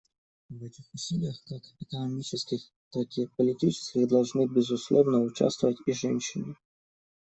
В этих усилиях, как экономических, так и политических, должны, безусловно, участвовать и женщины.